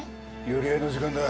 寄り合いの時間だ。